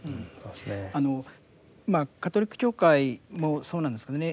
まあカトリック教会もそうなんですけどね